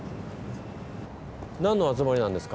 何の集まりなんですか？